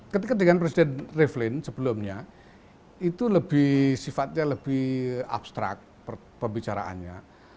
ketika dengan presiden revelin sebelumnya itu lebih sifatnya lebih abstrak pembicaraannya